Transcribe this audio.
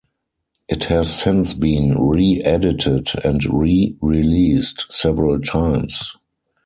It has since been re-edited and re-released several times.